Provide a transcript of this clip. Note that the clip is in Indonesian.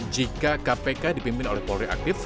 jika kpk dipimpin oleh polriaktif